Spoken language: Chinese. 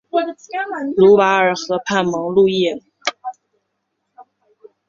卢瓦尔河畔蒙路易。